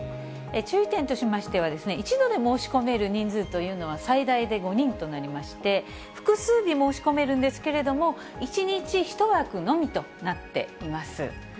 注意点としましては、１度で申し込める人数というのは最大で５人となりまして、複数日申し込めるんですけれども、１日１枠のみとなっています。